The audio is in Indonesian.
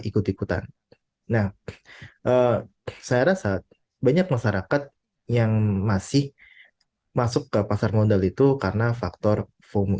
ikut ikutan nah saya rasa banyak masyarakat yang masih masuk ke pasar modal itu karena faktor